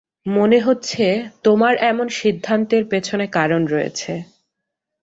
মনে হচ্ছে তোমার এমন সিদ্ধান্তের পেছনে কারণ রয়েছে।